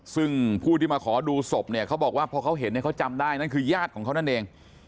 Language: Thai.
ซึ่งผู้ที่มาขอดูศพเนี่ยเขาบอกว่าพอเขาเห็นเนี่ยเขาจำได้นั่นคือญาติของเขานั่นเอง